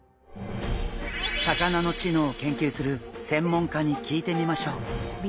魚の知能を研究する専門家に聞いてみましょう。